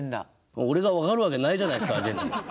俺が分かるわけないじゃないっすかアジェンダ。